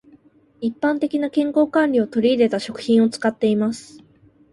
一般的な健康管理を取り入れた食品を使っています。